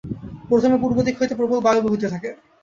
প্রথমে পূর্বদিক হইতে প্রবল বায়ু বহিতে থাকে।